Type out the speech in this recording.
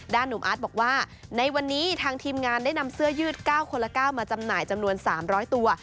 หนุ่มอาร์ตบอกว่าในวันนี้ทางทีมงานได้นำเสื้อยืด๙คนละ๙มาจำหน่ายจำนวน๓๐๐ตัว